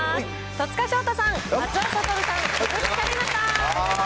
戸塚祥太さん、松尾諭さん、鈴木紗理奈さん。